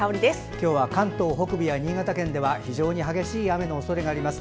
今日は関東北部や新潟県では非常に激しい雨のおそれがあります。